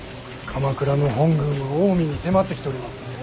鎌倉の本軍は近江に迫ってきております。